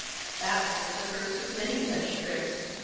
That was but the first of many such trips.